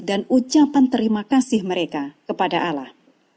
dan ucapan terima kasih mereka kepada allah